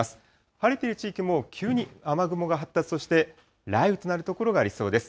晴れてる地域も急に雨雲が発達をして、雷雨となる所がありそうです。